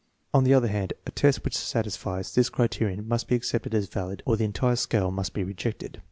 On the other hand, a test which satisfies this criterion fciust be accepted as valid or the entire scale must be rejected.